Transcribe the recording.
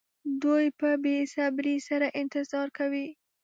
دوی په بې صبرۍ سره انتظار کوي.